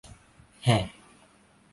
แฮ่ะ